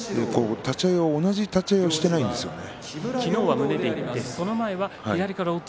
立ち合い、同じ立ち合いをしていないですね。